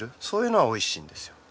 そういうのはおいしいんですよ。